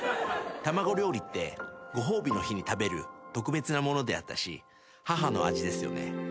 卵料理ってご褒美の日に食べる特別なものであったし母の味ですよね。